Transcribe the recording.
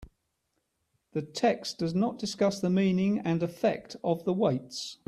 The text does not discuss the meaning and effect of the weights.